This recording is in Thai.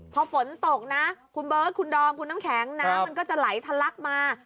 พอฝนตกนะคุณเบิร์ตคุณดอมคุณน้ำแข็งน้ำมันก็จะไหลทะลักมา